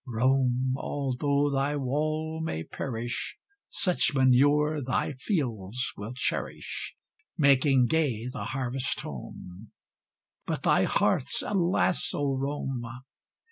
Rome! although thy wall may perish, Such manure thy fields will cherish, Making gay the harvest home; But thy hearths! alas, O Rome!